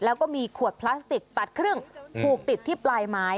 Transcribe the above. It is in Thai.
แล้วก็มีขวดพลาสติกตัดครึ่งผูกติดที่ปลายไม้